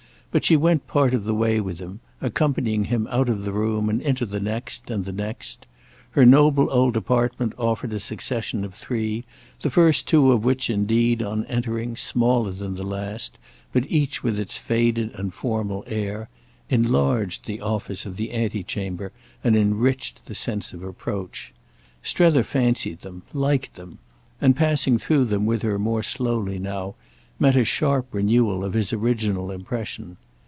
But she went part of the way with him, accompanying him out of the room and into the next and the next. Her noble old apartment offered a succession of three, the first two of which indeed, on entering, smaller than the last, but each with its faded and formal air, enlarged the office of the antechamber and enriched the sense of approach. Strether fancied them, liked them, and, passing through them with her more slowly now, met a sharp renewal of his original impression.